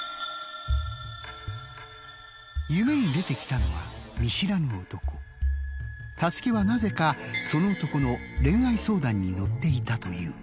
夢に出てきたのはたつきはなぜかその男の恋愛相談に乗っていたという。